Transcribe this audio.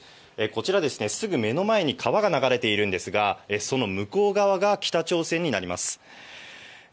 こちらですね、すぐ目の前に川が流れているんですが、その向こう側が北朝鮮になります。